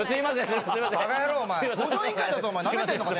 『向上委員会』だぞお前なめてんのか？